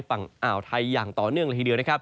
ฝั่งอ่าวไทยยังต่อเนื่องหลายเดียว